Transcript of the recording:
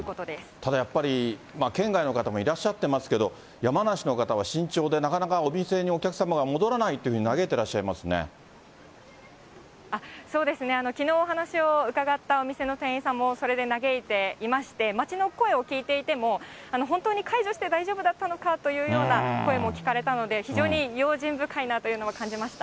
ただやっぱり、県外の方もいらっしゃってますけど、山梨の方は慎重で、なかなかお店にお客様が戻らないというふうにそうですね、きのうお話を伺ったお店の店員さんも、それで嘆いていまして、街の声を聞いていても、本当に解除して大丈夫だったのかというような声も聞かれたので、非常に用心深いなというのは感じました。